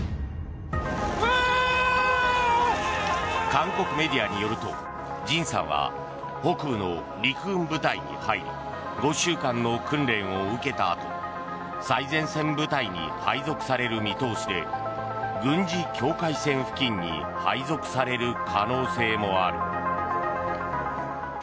韓国メディアによるとＪＩＮさんは北部の陸軍部隊に入り５週間の訓練を受けたあと最前線部隊に配属される見通しで軍事境界線付近に配属される可能性もある。